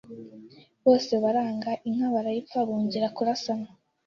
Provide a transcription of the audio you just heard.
». bose baranga. Inka barayipfa bongera kurasana